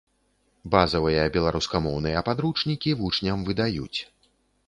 Базавыя беларускамоўныя падручнікі вучням выдаюць.